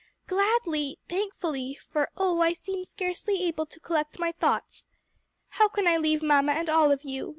"Gladly, thankfully, for oh, I seem scarcely able to collect my thoughts! How can I leave mamma and all of you?